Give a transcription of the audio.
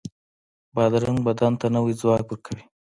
بادرنګ بدن ته نوی ځواک ورکوي.